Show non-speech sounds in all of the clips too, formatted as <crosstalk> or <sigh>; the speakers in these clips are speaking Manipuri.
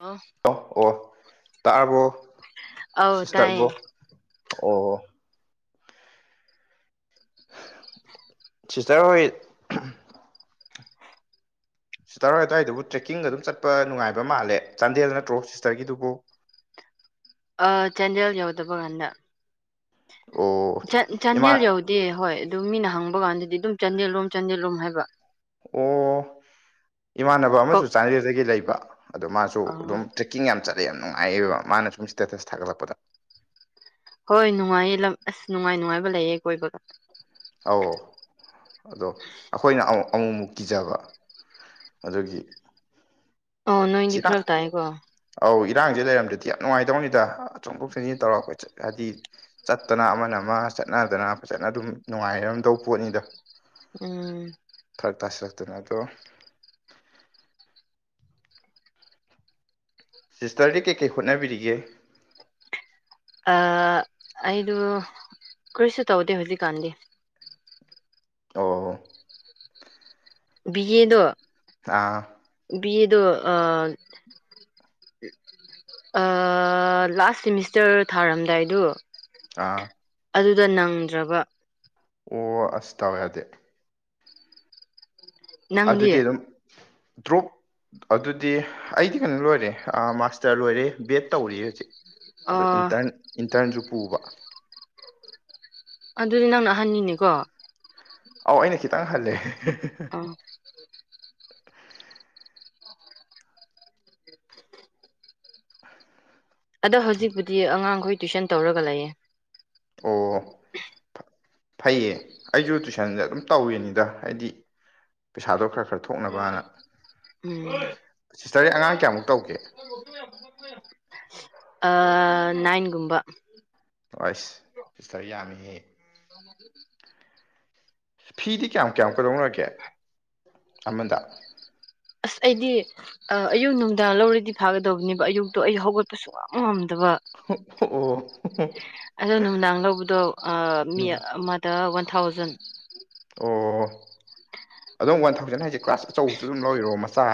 ꯑꯣ ꯍꯂ ꯑꯣ ꯇꯥꯛꯔꯕꯣ ꯑꯧ ꯇꯥꯏꯌꯦ ꯁꯤꯁꯇꯔꯔꯕꯣ ꯑꯣ ꯁꯤꯁꯇꯔ ꯍꯣꯏ ꯁꯤ ꯇꯔꯏ ꯑ ꯑꯗꯨꯋꯥꯏꯗꯨꯕꯨ ꯇ꯭ꯔꯦꯛꯀꯤꯡꯒ ꯑꯗꯨꯝ ꯆꯠꯄꯅꯨꯡꯉꯥꯏꯕ ꯃꯥꯜꯂꯦ ꯆꯥꯟꯗꯦꯜ ꯅꯠꯇ꯭ꯔꯣ ꯁꯤꯁꯇꯔꯒꯤꯗꯨꯕꯨ ꯆꯥꯟꯗꯦꯜ ꯌꯥꯎꯗꯕ ꯀꯥꯟꯗ ꯑꯣ ꯏꯃꯥ ꯆꯥꯟꯗꯦꯜ ꯌꯥꯎꯗꯦ ꯍꯣꯏ ꯑꯗꯨ ꯃꯤꯅ ꯍꯪꯕ ꯀꯥꯟꯗꯗꯤ ꯑꯗꯨꯝ ꯆꯥꯟꯗꯦꯜꯂꯣꯝ ꯆꯥꯟꯗꯦꯜꯂꯣꯝ ꯍꯥꯏꯕ ꯑꯣ ꯏꯃꯥꯟꯅꯕ ꯀꯞ ꯑꯃꯁꯨ ꯆꯥꯟꯗꯦꯜꯗꯒꯤ ꯂꯩꯕ ꯑꯗꯣ ꯃꯥꯁꯨ ꯑꯥ ꯑꯗꯨꯝ ꯇ꯭ꯔꯦꯛꯀꯤꯡ ꯌꯥꯝ ꯆꯠꯂꯦ ꯌꯥꯝꯅꯨꯡꯉꯥꯏꯑꯦꯕ ꯃꯥꯅ ꯁꯨꯝ ꯁ꯭ꯇꯦꯇꯁ ꯊꯥꯒꯠꯂꯛꯄꯗ ꯍꯣꯏ ꯅꯨꯡꯉꯥꯏꯌꯦ ꯂꯝ ꯑꯁ ꯅꯨꯡꯉꯥꯏ ꯅꯨꯡꯉꯥꯏꯕ ꯂꯩꯌꯦ ꯀꯣꯏꯕꯒ ꯑꯧ ꯑꯗꯣ ꯑꯩꯈꯣꯏꯅ ꯑꯃꯨꯛꯃꯨꯛ ꯀꯤꯖꯕ ꯑꯗꯨꯒꯤ ꯑꯣ ꯅꯣꯏꯗꯤ ꯁꯤꯅ ꯐꯔ ꯇꯥꯏꯀꯣ ꯑꯧ ꯏꯔꯥꯡꯁꯦ ꯂꯩꯔꯝꯗꯗꯤ ꯌꯥꯝ ꯅꯨꯡꯉꯥꯏꯇꯧꯅꯤꯗ ꯆꯣꯡꯊꯣꯛ ꯆꯣꯡꯁꯤꯟ ꯇꯧꯔꯛꯄꯠ ꯍꯥꯏꯗꯤ ꯆꯠꯇꯅ ꯑꯃꯅ ꯑꯃ ꯆꯠꯅꯗꯅ ꯐꯖꯅ ꯑꯗꯨꯝ ꯅꯨꯡꯉꯥꯏꯔꯝꯗꯧꯕ ꯄꯣꯠꯅꯤꯗꯣ ꯎꯝ ꯐꯔꯛ ꯇꯥꯁꯤꯜꯂꯛꯇꯅ ꯑꯗꯣ ꯁꯤꯁꯇꯔꯗꯤ ꯀꯩꯀꯩ ꯍꯣꯠꯅꯕꯤꯔꯤꯒꯦ ꯑꯩꯗꯨ ꯀꯔꯤꯁꯨ ꯇꯧꯗꯦ ꯍꯧꯖꯤꯛꯀꯥꯟꯗꯤ ꯑ ꯕꯤ ꯑꯣꯀꯦ ꯑꯦꯦꯗ ꯑꯥ ꯕꯤ ꯑꯦꯦꯗ ꯂꯥꯁ ꯁꯤꯦꯃꯤꯁꯇꯔ ꯊꯥꯔꯝꯗꯥꯏꯗꯨꯣ ꯑ ꯑꯗꯨꯗ ꯅꯪꯗ꯭ꯔꯕ ꯑꯣ ꯑꯁ ꯇꯧ ꯌꯥꯗꯦ ꯅꯪꯗꯤ ꯑꯗꯨꯗꯤ ꯑꯗꯨꯝ ꯗ꯭ꯔꯣꯞ ꯑꯗꯨꯗꯤ ꯑꯩꯗꯤ ꯀꯩꯅꯣ ꯂꯣꯏꯔꯦ ꯃꯥꯁꯇꯔ ꯂꯣꯏꯔꯦ ꯕꯦꯗ ꯇꯧꯔꯤ ꯍꯧꯖꯤꯛ ꯑꯣ ꯏꯟꯇꯔꯟ ꯏꯟꯇꯔꯟꯁꯨ ꯄꯨꯕ ꯑꯗꯨ꯫ꯗꯤ ꯅꯪꯅ ꯑꯍꯟꯅꯤꯅꯦꯀꯣ ꯑꯧ ꯑꯩꯅ ꯈꯤꯇꯪ ꯍꯜꯂꯦ ꯎ ꯑꯗꯣ ꯍꯧꯖꯤꯛꯄꯨꯗꯤ ꯑꯉꯥꯡꯈꯣꯏ ꯇꯨꯏꯁꯟ ꯇꯧꯔꯒ ꯂꯩꯌꯦ ꯑꯣ ꯐꯩꯌꯦ ꯑꯩꯁꯨ ꯇꯨꯏꯁꯟꯁꯦ ꯑꯗꯨꯝ ꯇꯧꯋꯅꯤꯗ ꯍꯥꯏꯗꯤ ꯄꯩꯁꯥ꯫꯫ꯗꯣ ꯈꯔ ꯈꯔ ꯊꯣꯛꯅꯕꯅ ꯎꯝ ꯁꯤꯁꯇꯔ ꯑꯉꯥꯡ ꯀꯌꯥꯃꯨꯛ ꯇꯧꯒꯦ ꯌꯥ ꯌꯥ ꯅꯥꯏꯟꯒꯨꯝꯕ ꯑꯩꯁ ꯁꯤꯁꯇꯔ ꯌꯥꯝꯃꯤꯍꯦ <inaudible> <unintelligible> ꯐꯤꯗꯤ ꯀꯌꯥꯝ ꯀꯌꯥꯝꯃꯨꯛ ꯀꯩꯗꯧꯅꯔꯒꯦ ꯑꯃꯗ ꯑꯁ ꯑꯩꯗꯤ ꯑꯌꯨꯛ ꯅꯨꯡꯗꯥꯡ ꯂꯧꯔꯗꯤ ꯐꯥꯒꯗꯕꯅꯦꯕ ꯑꯌꯨꯛꯇꯣ ꯑꯩ ꯍꯧꯒꯠꯄꯁꯨ ꯑꯣꯝꯗꯕ ꯑꯣ ꯑꯗꯣ ꯅꯨꯡꯗꯥꯡ ꯂꯧꯕꯗꯣ ꯃꯤ ꯎꯝ ꯑꯃꯗ ꯋꯥꯟ ꯊꯥꯎꯖꯟ ꯑꯣ ꯑꯗꯨꯝ ꯋꯥꯟ ꯊꯥꯎꯖꯟ ꯍꯥꯏꯁꯦ ꯀ꯭ꯂꯥꯁ ꯑꯆꯧꯕꯁꯨ ꯑꯗꯨꯝ ꯂꯧꯔꯤꯔꯣ ꯃꯆꯥ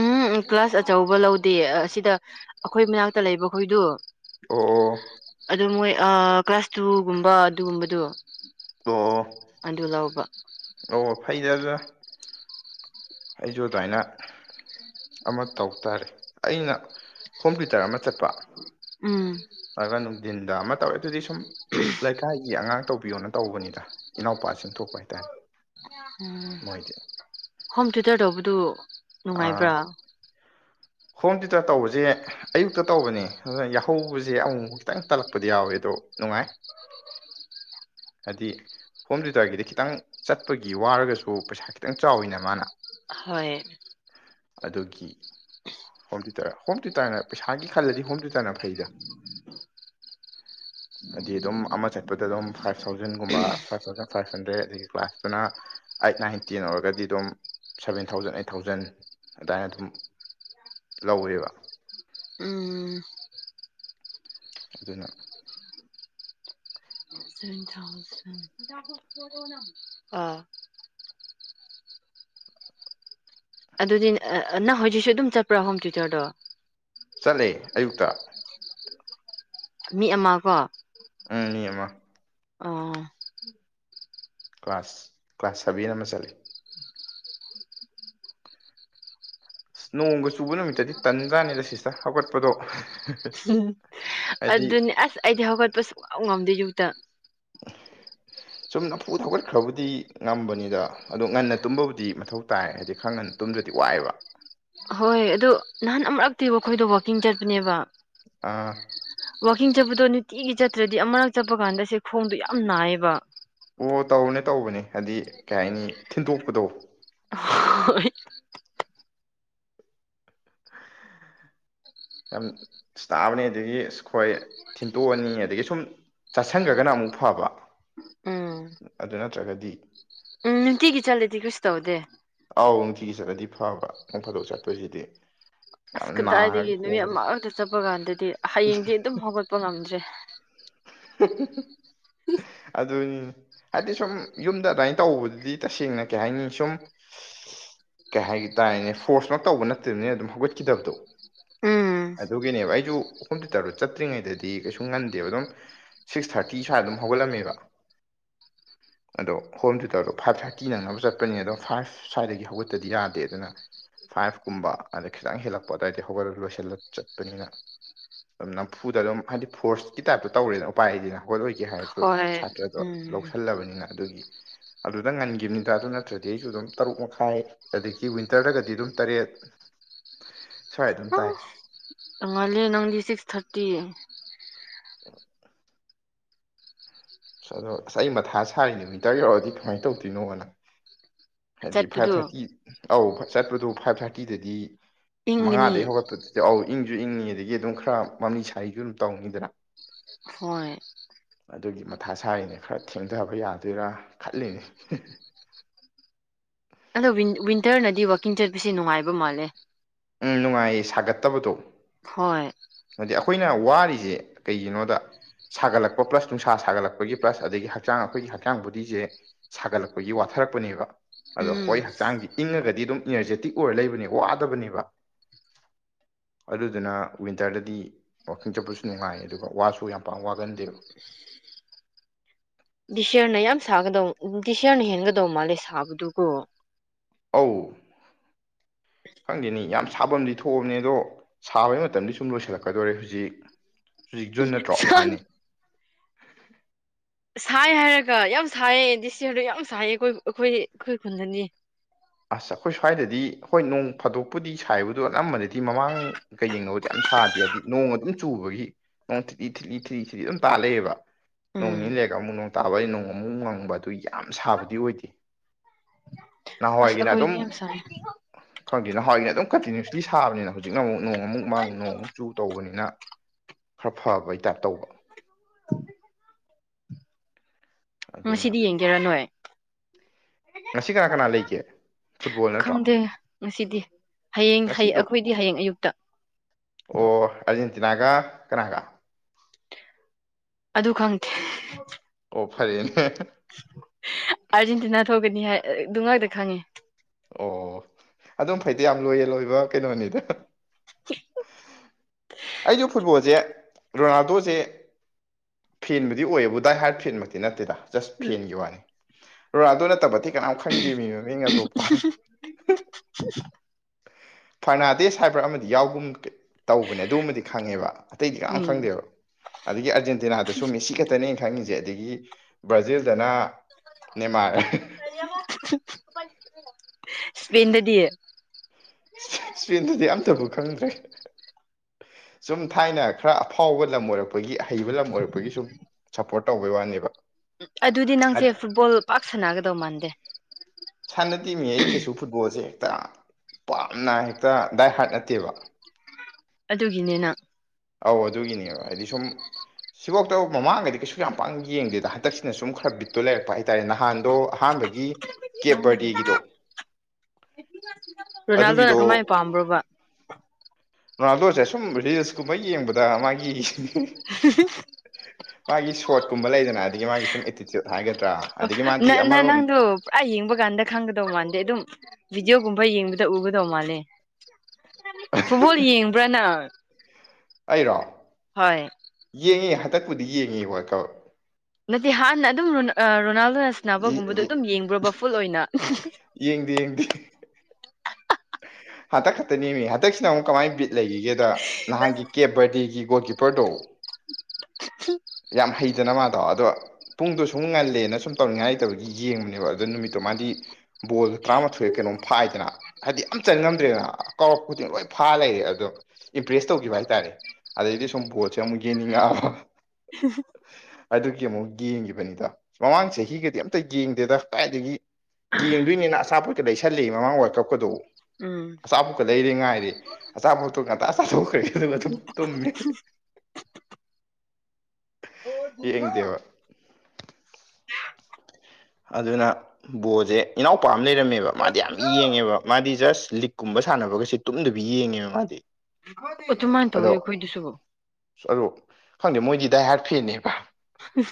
ꯎꯝ ꯀ꯭ꯂꯥꯁ ꯑꯆꯧꯕ ꯂꯧꯗꯦ ꯑꯁꯤꯗ ꯑꯩꯈꯣꯏ ꯃꯅꯥꯛꯇ ꯂꯩꯕ ꯑꯩꯈꯣꯏꯗꯨ ꯑꯣ ꯑꯣ ꯑꯗꯨ ꯃꯣꯏ ꯀ꯭ꯂꯥꯁ ꯆꯇꯨꯒꯨꯝꯕ ꯑꯗꯨꯒꯨꯝꯕꯗꯣ ꯑꯣ ꯑꯣ ꯑꯗꯨ ꯂꯧꯕ ꯑꯣ ꯐꯩꯖꯖ ꯑꯩꯁꯨ ꯑꯗꯨꯃꯥꯏꯅ ꯑꯃ ꯇꯧ ꯇꯥꯔꯦ ꯑꯩꯅ ꯀꯣꯝꯄ꯭ꯌꯨꯇꯔ ꯑꯃ ꯆꯠꯄ ꯎꯝ ꯇꯒ ꯅꯨꯡꯊꯤꯟꯗ ꯑꯃ ꯇꯧꯋꯦ ꯑꯗꯨꯗꯤ ꯁꯨꯝ ꯂꯩꯀꯥꯏꯒꯤ ꯑꯉꯥꯡ ꯇꯧꯕꯤꯌꯣꯅ ꯇꯧꯕꯅꯤꯗ ꯏꯅꯥꯎꯄꯥꯁꯤꯡ ꯊꯣꯛꯄ ꯍꯥꯏꯇꯥꯔꯦ ꯎꯝ ꯃꯣꯏꯗꯤ ꯍꯣꯝ ꯊꯤꯨꯇꯔ ꯇꯧꯕꯗꯨ ꯑꯥ ꯅꯨꯡꯉꯥꯏꯕ꯭ꯔꯥ ꯍꯣꯝ ꯇꯨꯏꯇꯔ ꯇꯧꯕꯁꯦ ꯌꯥꯏ ꯑꯌꯨꯛꯇ ꯇꯧꯕꯅꯦ ꯑꯗꯣ ꯌꯥꯍꯧꯕꯁꯦ ꯑꯃꯨꯛꯃꯨꯛ ꯈꯤꯇꯪ ꯇꯜꯂꯛꯄꯗꯤ ꯌꯥꯎꯋꯦ ꯑꯗꯣ ꯅꯨꯡꯉꯥꯏ <unintelligible> ꯍꯥꯏꯗꯤ ꯍꯣꯝ ꯇꯨꯏꯇꯔꯒꯤꯗꯤ ꯈꯤꯇꯪ ꯆꯠꯄꯒꯤ ꯋꯥꯔꯒꯁꯨ ꯄꯩꯁꯥ ꯈꯤꯇꯪ ꯆꯥꯎꯋꯤꯅ ꯃꯥꯅ ꯍꯣꯏ ꯑꯗꯨꯒꯤ ꯍꯣꯝ ꯇꯨꯏꯇꯔ ꯍꯣꯝ ꯇꯨꯏꯇꯔꯅ ꯄꯩꯁꯥꯒꯤ ꯈꯜꯂꯗꯤ ꯍꯣꯝ ꯇꯨꯏꯇꯔꯅ ꯐꯩꯗ <unintelligible> ꯍꯥꯏꯗꯤ ꯑꯗꯨꯝ ꯑꯃ ꯆꯠꯄꯗ ꯑꯗꯨꯝ ꯐꯥꯏꯚ ꯊꯥꯎꯖꯟꯒꯨꯝꯕ ꯐꯥꯏꯚ ꯊꯥꯎꯖꯟ ꯐꯥꯏꯚ ꯍꯟꯗ꯭ꯔꯦꯠ ꯑꯗꯒꯤ ꯀ꯭ꯂꯥꯁꯇꯅ ꯑꯩꯠ ꯅꯥꯏꯟ ꯇꯦꯟ ꯑꯣꯏꯔꯒꯗꯤ ꯑꯗꯨꯝ ꯁꯕꯦꯟ ꯊꯥꯎꯖꯟ ꯑꯩꯠ ꯊꯥꯎꯖꯟ ꯑꯗꯨꯃꯥꯏꯅ ꯑꯗꯨꯝ ꯂꯧꯋꯦꯕ ꯎꯝ ꯑꯗꯨꯅ ꯎꯝ <unintelligible> ꯁꯚꯦꯟ ꯊꯥꯎꯖꯟ <unintelligible> ꯑꯥ ꯑꯗꯨꯗꯤ ꯅꯪ ꯍꯧꯏꯖꯤꯛꯁꯨ ꯑꯗꯨꯝ ꯆꯠꯄ꯭ꯔꯥ ꯍꯣꯝ ꯇ꯭ꯌꯨꯇꯔꯗꯣ ꯆꯠꯂꯦ ꯑꯌꯨꯛꯇ ꯃꯤ ꯑꯃ ꯀꯣ ꯎꯝ ꯃꯤ ꯑꯃ ꯑꯥ ꯀ꯭ꯂꯥꯁ ꯀ꯭ꯂꯥꯁ ꯁꯚꯦꯟ ꯑꯃ ꯆꯠꯂꯤ ꯅꯣꯡꯒ ꯆꯨꯕ ꯅꯨꯃꯤꯠꯇꯗꯤ ꯇꯟꯖ꯭ꯔꯥꯅꯤꯗ ꯁꯤꯁꯇ ꯍꯧꯒꯠꯄꯗꯣ ꯎ ꯍꯥꯏꯗꯤ ꯑꯗꯨꯅꯦ ꯑꯁ ꯑꯩꯗꯤ ꯍꯧꯒꯠꯄ ꯁꯨꯡꯉꯝ ꯉꯝꯗꯦ ꯌꯨꯛꯇ ꯁꯨꯝ ꯅꯐꯨ ꯊꯧꯒꯠꯈ꯭ꯔꯕꯨꯗꯤ ꯉꯝꯕꯅꯤꯗ ꯑꯗꯣ ꯉꯟꯅ ꯇꯨꯝꯕꯕꯨꯗꯤ ꯃꯊꯧ ꯇꯥꯏ ꯍꯥꯏꯗꯤ ꯈꯔ ꯇꯨꯝꯗꯔꯗꯤ ꯋꯥꯏꯑꯦꯕ ꯍꯣꯏ ꯑꯗꯨ ꯅꯍꯥꯟ ꯑꯃꯨꯔꯛꯇꯤ ꯑꯩꯈꯣꯏꯗꯣ ꯋꯥꯛꯀꯤꯡ ꯆꯠꯄꯅꯦꯕ ꯑꯥ ꯋꯥꯛꯀꯤꯡ ꯆꯠꯄꯗꯣ ꯅꯨꯡꯇꯤꯒꯤ ꯆꯠꯇ꯭ꯔꯗꯤ ꯑꯃꯔꯛ ꯆꯠꯄ ꯀꯥꯟꯗ ꯁꯦ ꯈꯣꯡꯗꯣ ꯌꯥꯝ ꯅꯥꯏꯌꯦꯕ ꯑꯣ ꯇꯧꯕꯅꯦ ꯇꯧꯕꯅꯦ ꯍꯥꯏꯗꯤ ꯀꯩ ꯍꯥꯏꯅꯤ ꯊꯤꯟꯗꯣꯛꯄꯗꯣ ꯍꯣꯏ ꯌꯥꯝ ꯇꯥꯕꯅꯤ ꯑꯗꯒꯤ ꯈꯣꯏ ꯊꯤꯟꯇꯣꯛꯑꯅꯤ ꯑꯗꯒꯤ ꯁꯨꯝ ꯆꯠꯁꯟꯈ꯭ꯔꯒꯅ ꯑꯃꯨꯛ ꯐꯕ ꯎꯝ ꯑꯗꯨ ꯅꯠꯇ꯭ꯔꯒꯗꯤ ꯎꯝ ꯅꯨꯡꯇꯤꯒꯤ ꯆꯂꯗꯤ ꯀꯔꯤꯁꯨ ꯇꯧꯗꯦ ꯑꯥꯎ ꯅꯨꯡꯇꯤꯒꯤ ꯆꯠꯂꯗꯤ ꯐꯕ ꯅꯣꯡ ꯐꯥꯗꯣꯛ ꯆꯠꯄꯁꯤꯗꯤ ꯌꯥꯝ ꯑꯁ ꯀꯗꯥꯏꯗꯒꯤ ꯅꯥꯔꯒ ꯅꯨꯃꯤꯠ ꯈꯣꯡꯕꯗꯣ ꯑꯃ ꯉꯛꯇ ꯆꯠꯄ ꯀꯥꯟꯗꯗꯤ ꯍꯌꯦꯡꯗꯤ ꯑꯗꯨꯝ ꯍꯧꯒꯠꯄ ꯉꯝꯗ꯭ꯔꯦ ꯑꯗꯨꯅꯤ ꯍꯥꯏꯗꯤ ꯁꯨꯝ ꯌꯨꯝꯗ ꯑꯗꯥꯏꯅ ꯇꯧꯕꯗꯨꯗꯤ ꯇꯁꯦꯡꯅ ꯀꯩ ꯍꯥꯏꯅꯤ ꯁꯨꯝ ꯀꯩ ꯍꯥꯏ ꯇꯥꯥꯏꯅꯦ ꯐꯣꯔꯁ ꯃꯛ ꯇꯧꯕ ꯅꯠꯇꯕꯅꯤꯅ ꯑꯗꯨꯝ ꯍꯧꯒꯠꯈꯤꯗꯕꯗꯣ ꯎꯝ ꯑꯗꯨꯒꯤꯅꯦꯕ ꯑꯩꯁꯨ ꯍꯣꯝ ꯇꯨꯏꯇꯔ ꯆꯠꯇ꯭ꯔꯤꯉꯩꯗꯗꯤ ꯀꯩꯁꯨ ꯉꯟꯗꯦꯕ ꯑꯗꯨꯝ ꯁꯤꯛꯁ ꯊꯥꯔꯇꯤ ꯁ꯭ꯋꯥꯏꯗ ꯑꯗꯨꯝ ꯍꯧꯒꯠꯂꯝꯃꯦꯕ ꯑꯗꯣ ꯍꯣꯝ ꯇꯨꯏꯇꯔꯗꯣ ꯐꯥꯏꯚ ꯊꯥꯔꯇꯤ ꯅꯪꯅꯕ ꯆꯠꯄꯅꯤꯅ ꯑꯗꯣ ꯐꯥꯏꯚ ꯁ꯭ꯋꯥꯏꯗꯒꯤ ꯍꯧꯒꯠꯇꯗꯤ ꯌꯥꯗꯦꯗꯅ ꯐꯥꯏꯚꯀꯨꯝꯕ ꯑꯗ ꯈꯤꯇꯪ ꯍꯦꯜꯂꯛꯄ ꯑꯗꯥꯏꯗꯩ ꯍꯧꯒꯠꯂ ꯂꯣꯏꯁꯤꯜꯂ ꯆꯠꯄꯅꯤꯅ ꯑꯗꯨꯝ ꯅꯝꯐꯨꯗ ꯑꯗꯨꯝ ꯍꯥꯏꯗꯤ ꯐꯣꯔꯁꯀꯤ ꯇꯥꯏꯇ ꯇꯧꯔꯦꯅ ꯎꯄꯥꯏ ꯂꯩꯇꯦꯅ ꯍꯧꯒꯠꯂꯣꯏꯒꯦ ꯍꯥꯏꯔꯁꯨ ꯍꯣꯏ ꯁꯥꯇ꯭ꯔꯗꯣ ꯎꯝ ꯂꯧꯁꯜꯂꯕꯅꯤꯅ ꯑꯗꯨꯒꯤ ꯑꯗꯨꯗ ꯉꯟꯈꯤꯕꯅꯤꯗ ꯑꯗꯨ ꯅꯠꯇ꯭ꯔꯗꯤ ꯑꯩꯁꯨ ꯑꯗꯨꯝ ꯇꯔꯨꯛ ꯃꯈꯥꯏ ꯑꯗꯒꯤ ꯋꯤꯟꯇꯔꯗꯒꯗꯤ ꯑꯗꯨꯝ ꯇꯔꯦꯠ ꯁ꯭ꯋꯥꯏ ꯑꯗꯨꯝ ꯇꯥꯏ ꯑꯁ ꯉꯜꯂꯦ ꯅꯪꯗꯤ ꯁꯤꯛꯁ ꯊꯥꯔꯇꯤ ꯑꯁ ꯑꯗꯣ ꯑꯁ ꯑꯩ ꯃꯊꯥ ꯁꯥꯔꯤꯅꯤ ꯋꯤꯟꯇꯔ ꯌꯧꯔꯛꯑꯗꯤ ꯀꯃꯥꯏꯅ ꯇꯧꯗꯣꯏꯅꯣꯅ ꯍꯥꯏꯗꯤ ꯐꯥꯏꯚ ꯆꯠꯄꯗꯣ ꯊꯥꯔꯇꯤ ꯑꯧ ꯆꯠꯄꯗꯣ ꯐꯥꯏꯚ ꯊꯥꯔꯇꯤꯗꯗꯤ ꯏꯪꯒꯅꯤ ꯃꯉꯥꯗꯒꯤꯩ ꯍꯧꯒꯠꯄꯗꯨꯗꯤ ꯑꯧ ꯏꯪꯁꯨ ꯏꯪꯉꯤ ꯑꯗꯒꯤ ꯑꯗꯨꯝ ꯈꯔ ꯃꯃꯤ ꯁꯥꯔꯤꯁꯨ ꯑꯗꯨꯝ ꯇꯧꯅꯤꯗꯅ ꯍꯣꯏ ꯑꯗꯨꯒꯤ ꯃꯊꯥ ꯁꯥꯔꯤꯅꯦ ꯈꯔ ꯊꯦꯡꯊꯕ ꯌꯥꯗꯣꯏꯔꯥ ꯈꯟꯂꯤꯅꯤ ꯑꯗꯣ ꯋꯤꯟꯇꯔꯅꯗꯤ ꯋꯥꯛꯀꯤꯡ ꯆꯠꯄꯁꯦ ꯅꯨꯡꯉꯥꯏꯕ ꯃꯥꯜꯂꯦ ꯎꯝ ꯅꯨꯡꯉꯥꯏꯌꯦ ꯁꯥꯒꯠꯇꯕꯗꯣ ꯍꯣꯏ ꯍꯥꯏꯗꯤ ꯑꯩꯈꯣꯏꯅ ꯋꯥꯔꯤꯁꯦ ꯀꯩꯒꯤꯅꯣꯗ ꯁꯥꯒꯠꯂꯛꯄ ꯄ꯭ꯂꯁ ꯅꯨꯡꯁꯥ ꯁꯥꯒꯠꯂꯛꯄꯒꯤ ꯄ꯭ꯂꯁ ꯑꯗꯒꯤ ꯍꯛꯆꯥꯡ ꯑꯩꯈꯣꯏꯒꯤ ꯍꯛꯆꯥꯡ ꯕꯣꯗꯤꯁꯦ ꯁꯥꯒꯠꯂꯛꯄꯒꯤ ꯋꯥꯊꯔꯛꯄꯅꯦꯕ ꯑꯗꯣ ꯍꯣꯏ ꯎꯝ ꯍꯛꯆꯥꯡꯁ ꯏꯪꯉꯒꯗꯤ ꯑꯗꯨꯝ ꯏꯅꯔꯖꯦꯇꯤꯛ ꯑꯣꯏꯔ ꯂꯩꯕꯅꯦ ꯋꯥꯗꯕꯅꯦꯕ ꯑꯗꯨꯗꯨꯅ ꯋꯤꯟꯇꯔꯗꯗꯤ ꯋꯥꯛꯀꯤꯡ ꯆꯠꯄꯁꯨ ꯅꯨꯡꯉꯥꯏ ꯑꯗꯨꯒ ꯋꯥꯁꯨ ꯌꯥꯝ ꯄꯥꯛ ꯋꯥꯒꯟꯗꯦꯕ ꯗꯤꯁꯌꯔꯅ ꯌꯥꯝ ꯁꯥꯒꯗꯧ ꯗꯤꯁꯔꯅ ꯍꯦꯟꯒꯗꯧ ꯃꯥꯜꯂꯦ ꯁꯥꯕꯗꯨꯀꯣ ꯑꯧ ꯈꯪꯗꯦꯅꯤ ꯌꯥꯝ ꯁꯥꯐꯝꯗꯤ ꯊꯣꯛꯑꯕꯅꯦ ꯑꯗꯣ ꯁꯥꯕꯒꯤ ꯃꯇꯝꯗꯤ ꯁꯨꯝ ꯂꯣꯏꯁꯤꯜꯂꯛꯀꯗꯣꯔꯦ ꯍꯧꯖꯤꯛ ꯍꯧꯖꯤꯛ ꯖꯨꯟ ꯅꯠꯇ꯭ꯔꯣ ꯃꯥꯅꯤ ꯁꯥꯏ ꯍꯥꯏꯔꯒ ꯌꯥꯝ ꯁꯥꯏꯌꯦ ꯗꯤꯁꯌꯔꯗ ꯌꯥꯝ ꯁꯥꯏꯌꯦ ꯑꯩꯈꯣꯏ ꯑꯩꯈꯣꯏꯒꯤ ꯑꯩꯈꯣꯏ ꯈꯨꯟꯗꯅꯤ ꯑꯁ ꯑꯩꯈꯣꯏ ꯁ꯭ꯋꯥꯏꯗꯗꯤ ꯍꯣꯏ ꯅꯣꯡ ꯐꯥꯗꯣꯛꯄꯨꯗꯤ ꯁꯥꯏꯕꯗꯣ ꯑꯅꯝꯕꯅꯗꯤ ꯃꯃꯥꯡ ꯀꯩꯒꯤꯅꯣ ꯑꯗꯨꯌꯥꯝ ꯁꯥꯗꯦ ꯍꯥꯏꯗꯤ ꯅꯣꯡ ꯑꯗꯨꯝ ꯆꯨꯕꯒꯤ ꯅꯣꯡ ꯊ꯭ꯔꯤ ꯊ꯭ꯔꯤ ꯊ꯭ꯔꯤ ꯊ꯭ꯔꯤ ꯑꯗꯨꯝ ꯇꯥ ꯂꯩꯌꯦꯕ ꯅꯣꯡ ꯅꯤꯅꯤ ꯎꯝ ꯂꯩꯔꯒ ꯑꯃꯨꯛ ꯅꯣꯡ ꯇꯥꯕꯩ ꯅꯣꯡ ꯑꯃꯨꯛ ꯉꯪꯕ ꯑꯗꯨꯏ ꯌꯥꯝ ꯁꯥꯕꯗꯤ ꯑꯣꯏꯗꯦ ꯑꯁ ꯅꯍꯥꯟꯋꯥꯏꯒꯤꯅ ꯑꯗꯨꯝ ꯑꯩꯈꯣꯏꯗꯤ ꯌꯥꯝ ꯁꯥꯏ ꯈꯪꯗꯦꯅ ꯍꯋꯥꯏꯅꯦ ꯑꯗꯨꯝ ꯀꯟꯇꯤꯅꯤ꯭ꯌꯨꯁꯂꯤ ꯁꯥꯕꯅꯤꯅ ꯍꯧꯖꯤꯛꯅ ꯑꯃꯨꯛ ꯅꯣꯡ ꯑꯃꯨꯛ ꯃꯪ ꯅꯣꯡꯃꯨꯛ ꯆꯨ ꯇꯧꯕꯅꯤꯅ ꯈꯔ ꯐꯕꯩ ꯇꯥꯏꯞ ꯇꯧꯕ ꯑꯗꯨꯅ ꯉꯁꯤꯗꯤ ꯌꯦꯡꯒꯦꯔ ꯅꯣꯏ ꯉꯁꯤ ꯀꯅꯥ ꯀꯅꯥ ꯂꯩꯒꯦ ꯐꯨꯠꯕꯣꯜ ꯅꯠꯇ꯭ꯔꯣ ꯈꯪꯗꯦ ꯉꯁꯤꯗꯤ ꯍꯌꯦꯡ ꯍꯌꯦꯡ ꯉꯁꯤꯗꯣ ꯑꯩꯈꯣꯏꯗꯤ ꯍꯌꯦꯡ ꯑꯌꯨꯛꯇ ꯑꯣ ꯑꯥꯔꯖꯦꯟꯇꯤꯅꯥꯒ ꯀꯅꯥ ꯀꯅꯥ ꯑꯗꯨ ꯈꯪꯗꯦ ꯑꯣ ꯐꯔꯦꯅꯦ ꯑꯥꯔꯖꯦꯟꯇꯤꯅꯥ ꯊꯣꯛꯒꯅꯤ ꯍꯥꯏ ꯑꯗꯨ ꯉꯥꯛꯇ ꯈꯪꯉꯦ ꯑꯣ ꯑꯗꯨꯝ ꯐꯩꯗ ꯌꯥꯝ ꯂꯣꯏꯌꯦꯟ ꯑꯣꯏꯕ ꯀꯩꯅꯣꯅꯤꯗ <unintelligible> ꯑꯩꯁꯨ ꯐꯨꯠꯕꯣꯜꯁꯦ ꯔꯣꯅꯥꯜꯗꯣꯁꯦ ꯐꯦꯟꯕꯨꯗꯤ ꯑꯣꯏꯕꯨ ꯗꯥꯏ ꯍꯥꯏꯔꯠ ꯐꯦꯟꯃꯛꯇꯤ ꯅꯠꯇꯦꯗ ꯖꯁ ꯐꯦꯟꯒꯤ ꯋꯥꯅꯤ ꯔꯣꯅꯥꯜꯗꯣ ꯅꯠꯇꯕ ꯑꯇꯩ ꯀꯅꯥꯝ ꯈꯪꯗꯦ ꯃꯤ ꯃꯃꯤꯡꯅ ꯑꯇꯣꯞꯄ ꯐꯥꯔꯅꯥꯟꯗꯦꯁ ꯍꯥꯏꯕ꯭ꯔ ꯑꯃꯗꯤ ꯌꯥꯎꯒꯨꯝ ꯀꯩ ꯇꯧꯕꯅꯦ ꯑꯗꯨꯃꯗꯤ ꯈꯪꯉꯦꯕ ꯑꯇꯩꯗꯤ ꯀꯅꯥꯝ ꯎꯝ ꯈꯪꯗꯦꯕ ꯑꯗꯒꯤ ꯑꯔꯖꯦꯟꯇꯤꯅꯥꯗꯁꯨꯨ ꯃꯤꯁꯤ ꯈꯛꯇ ꯇꯅꯦ ꯑꯩ ꯈꯪꯉꯤꯁꯦ ꯑꯗꯒꯤ ꯕ꯭ꯔꯥꯖꯤꯜꯗꯅ ꯅꯦꯃꯥꯔ ꯁꯄꯦꯟꯗꯗꯤ ꯁꯄꯦꯟꯗꯗꯤ ꯑꯝꯇꯕꯨ ꯈꯪꯗ꯭ꯔꯦ ꯁꯨꯝ ꯊꯥꯏꯅ ꯈꯔ ꯑꯐꯥꯎꯕ ꯂꯝ ꯑꯣꯏꯔꯛꯄ ꯒꯤ ꯑꯍꯩꯕ ꯂꯝ ꯑꯣꯏꯔꯛꯄꯒꯤ ꯁꯨꯝ ꯁꯞꯄꯣꯔꯠ ꯇꯧꯕꯩ ꯋꯥꯅꯦꯕ ꯑꯗꯨꯗꯤ ꯅꯪꯁꯦ ꯐꯨꯠꯕꯣꯜ ꯄꯥꯛ ꯁꯥꯟꯅꯒꯗꯧ ꯃꯥꯟꯗꯦ ꯁꯥꯟꯅꯗꯦꯃꯤ ꯑꯩ ꯀꯩꯁꯨ ꯐꯨꯠꯕꯣꯜꯁꯦ ꯍꯦꯛꯇ ꯄꯥꯝꯅ ꯍꯦꯛꯇ ꯗꯥꯏ ꯍꯥꯔꯠ ꯅꯠꯇꯦꯕ ꯑꯗꯨꯒꯤꯅꯤꯅ ꯑꯧ ꯑꯗꯨꯒꯤꯅꯦꯕ ꯍꯥꯏꯗꯤ ꯁꯨꯝ ꯁꯤꯐꯥꯎꯇ ꯃꯃꯥꯡꯒꯗꯤ ꯀꯩꯁꯨ ꯌꯥꯝ ꯄꯥꯡ ꯌꯦꯡꯗꯦꯗ ꯍꯟꯗꯛꯁꯤꯅ ꯁꯨꯝ ꯈꯔ ꯕꯤꯠꯇꯣ ꯂꯩꯔꯛꯄ ꯍꯥꯏꯇꯥꯔꯦ ꯅꯍꯥꯟꯗꯣ ꯑꯍꯥꯟꯕ ꯒꯤ ꯀꯦꯞ ꯕꯥꯔꯗꯦꯒꯤꯗꯣ ꯑꯗꯨꯒꯤꯗꯣ ꯔꯣꯅꯥꯜꯗꯣꯅ ꯀꯃꯥꯏꯅ ꯄꯥꯝꯕ꯭ꯔꯣꯕ ꯔꯣꯅꯥꯜꯗꯣꯁꯦ ꯁꯨꯝ ꯔꯤꯜꯁꯀꯨꯝꯕ ꯌꯦꯡꯕꯗ ꯃꯥꯒꯤ <unintelligible> ꯃꯥꯒꯤ ꯁꯣꯠꯀꯨꯝꯕ ꯂꯩꯗꯅ ꯑꯗꯒꯤ ꯃꯥꯒꯤ ꯁꯨꯝ ꯑꯦꯇꯤꯆꯌꯨꯠ ꯍꯥꯏꯒꯗ꯭ꯔꯥ ꯑꯗꯒꯤ ꯃꯥꯗꯤ ꯅ ꯑꯃꯔꯣꯝ ꯅꯅꯥꯗꯨ ꯄꯨꯔꯥ ꯌꯦꯡꯕ ꯀꯥꯟꯗ ꯈꯪꯒꯗꯧ ꯃꯥꯥꯟꯗꯦ ꯑꯗꯨꯝ ꯚꯗꯤꯑꯣꯒꯨꯝꯕ ꯌꯦꯡꯕꯗ ꯎꯒꯗꯧ ꯃꯥꯜꯂꯦ ꯐꯨꯠꯕꯣꯜ ꯌꯦꯡꯕ꯭ꯔꯥꯅ ꯑꯩꯔꯣ ꯌꯦꯡꯉꯤ ꯍꯟꯗꯛꯄꯨꯗꯤ ꯌꯦꯡꯉꯤ ꯍꯣꯏ ꯀ ꯅꯠꯇꯦ ꯍꯥꯟꯅ ꯑꯗꯨꯝ ꯔꯣꯅꯥꯜꯗꯣꯅ ꯁꯕꯒꯨꯝꯕꯗꯣ ꯑꯗꯨꯝ ꯌꯦꯡꯕ꯭ꯔꯣꯕ ꯐꯨꯜ ꯑꯣꯏꯅ ꯌꯦꯡꯗ ꯌꯦꯡꯗꯦ ꯍꯟꯇꯛ ꯈꯛꯇꯅꯤꯃꯤ ꯍꯟꯇꯛꯁꯤꯅ ꯑꯃꯨꯛ ꯀꯃꯥꯏꯅ ꯕꯤꯠ ꯂꯩꯈꯤꯒꯦꯗ ꯅꯍꯥꯟꯒꯤ ꯀꯦꯞ ꯀꯕꯗꯤꯒꯤ ꯒꯣꯜꯀꯤꯄꯔꯗꯣ ꯌꯥꯝ ꯍꯩꯗꯅ ꯃꯥꯗꯣ ꯑꯗꯣ ꯄꯨꯡꯗꯣ ꯁꯨꯝ ꯉꯜꯂꯦꯅ ꯁꯨꯝ ꯇꯧꯅꯤꯡꯉꯥꯏꯇꯕꯒꯤ ꯌꯦꯡꯕꯅꯦꯕ ꯑꯗ ꯅꯨꯃꯤꯠꯇꯨ ꯃꯥꯗꯤ ꯕꯣꯜ ꯇꯔꯥꯃꯥꯊꯣꯏ ꯀꯩꯅꯣꯝ ꯐꯥꯏꯗꯅ ꯍꯥꯏꯗꯤ ꯑꯝ ꯆꯟ ꯉꯝꯗ꯭ꯔꯦꯅ ꯀꯧꯔꯛꯄ ꯈꯨꯗꯤꯡ ꯂꯣꯏ ꯐꯥ ꯂꯩꯔꯦ ꯑꯗꯣ ꯏꯝꯄ꯭ꯔꯦꯁ ꯇꯧꯈꯤꯕ ꯍꯥꯏꯇꯥꯔꯦ ꯑꯗꯩꯗꯤ ꯁꯨꯝ ꯄꯣꯠꯁꯦ ꯑꯃꯨꯛ ꯌꯦꯡꯅꯤꯡꯉꯛꯑꯕ ꯑꯗꯨꯒꯤ ꯑꯃꯨꯛ ꯌꯦꯡꯕꯅꯤꯗ ꯃꯃꯥꯡ ꯆꯍꯤꯒꯗꯤ ꯑꯝꯇ ꯌꯦꯡꯗꯦꯗ ꯀꯥꯏꯗꯒꯤ ꯌꯦꯡꯗꯣꯏꯅꯤꯅ ꯑꯆꯥꯄꯣꯠꯀꯗ ꯂꯩꯁꯜꯂꯤ ꯃꯃꯥꯡ ꯋꯥꯜ ꯀꯞꯀꯗꯧ ꯎꯝ ꯑꯆꯥꯄꯣꯠꯀ ꯂꯩꯔꯦ ꯉꯥꯏꯔꯤꯦ ꯑꯆꯥꯄꯣꯛꯇꯣ ꯉꯟꯇꯥ ꯆꯥꯊꯣꯛꯈ꯭ꯔꯦ ꯑꯗꯨꯒ ꯁꯨꯝ ꯇꯨꯝꯃꯦ ꯌꯦꯡꯗꯦꯕ ꯑꯗꯨꯅ ꯕꯣꯜꯁꯦ ꯏꯅꯥꯎꯄꯥ ꯑꯃ ꯂꯩꯔꯝꯃꯦꯕ ꯃꯥꯗꯤ ꯌꯥꯝ ꯌꯦꯡꯉꯦꯕ ꯃꯥꯗꯤ ꯖꯁ ꯂꯤꯛꯀꯨꯝꯕ ꯁꯥꯟꯅꯕꯒꯁꯤ ꯇꯨꯝꯗꯨꯕꯤ ꯌꯦꯡꯉꯦꯕ ꯃꯥꯗꯤ ꯇꯨꯡꯃꯥꯏꯅ ꯇꯧꯏ ꯈꯣꯏꯗꯤꯁꯨꯕ ꯑꯗ ꯈꯪꯗꯦ ꯃꯣꯏꯗꯤ ꯗꯥꯏ ꯍꯥꯔꯠ ꯐꯦꯟꯅꯦ ꯎ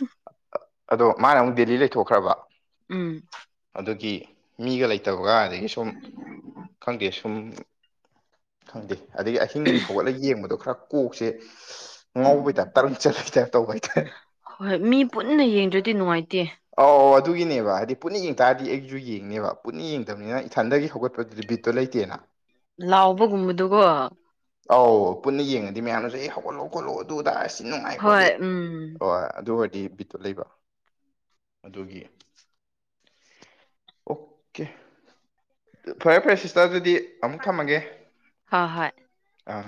ꯑꯗꯣ ꯃꯥꯅ ꯑꯃꯨꯛ ꯗꯦꯜꯂꯤ ꯂꯩꯊꯣꯛꯈ꯭ꯔꯕ ꯎꯝ ꯑꯗꯨꯒꯤ ꯃꯤꯒ ꯂꯩꯇꯕꯒ ꯑꯗꯒꯤ ꯁꯨꯝ ꯈꯪꯗꯦ ꯁꯨꯝ ꯈꯪꯗꯦ ꯑꯗꯒꯤ ꯑꯍꯤꯡ ꯍꯧꯒꯠꯂꯒ ꯌꯦꯡꯕꯗꯣ ꯈꯔ ꯀꯣꯛꯁꯦ ꯉꯧꯕꯩꯇ ꯇꯔꯨ ꯆꯠꯄꯩꯇ ꯇꯧꯕ ꯍꯥꯏꯇꯥꯔꯦ ꯍꯣꯏ ꯃꯤ ꯄꯨꯟꯅ ꯌꯦꯡꯗ꯭ꯔꯗꯤ ꯅꯨꯡꯉꯥꯏꯇꯦ ꯑꯣ ꯑꯗꯨꯒꯤꯅꯦꯕ ꯍꯥꯏꯗꯤ ꯄꯨꯟꯅ ꯌꯦꯡ ꯇꯥꯔꯗꯤ ꯑꯩꯒꯤꯁꯨ ꯌꯦꯡꯅꯦꯕ ꯄꯨꯟꯅ ꯌꯦꯡꯗꯕꯅꯤꯅ ꯏꯊꯟꯗꯒꯤ ꯍꯧꯒꯠꯄꯗꯨꯗꯤ ꯕꯤꯠꯇꯣ ꯂꯩꯇꯦꯅ <unintelligible> ꯂꯥꯎꯕꯒꯨꯝꯕꯗꯨꯒꯣ ꯑꯧ ꯄꯨꯟꯅ ꯌꯦꯡꯉꯗꯤ ꯃꯌꯥꯝꯅꯁꯨ ꯑꯩ ꯍꯧꯒꯠꯍꯧꯕ ꯈꯣꯠꯂꯣ ꯑꯗꯨ ꯑꯗ ꯁꯤ ꯅꯨꯡꯉꯥꯏ ꯍꯣꯏ ꯈꯣꯠꯂꯤ ꯎꯝ ꯑꯣ ꯑꯗꯨ ꯑꯣꯏꯔꯗꯤ ꯕꯤ ꯇ ꯂꯩꯕ ꯑꯗꯨꯒꯤ ꯑꯣꯀꯦ ꯐꯔꯦ ꯐꯔꯦ ꯁꯤꯁꯇꯔ ꯑꯗꯨꯗꯤ ꯑꯃꯨꯛ ꯊꯝꯃꯒꯦ ꯍꯣꯏ ꯍꯣꯏ ꯑꯥ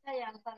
<unintelligible>